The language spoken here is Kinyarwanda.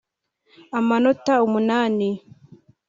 amanota umunani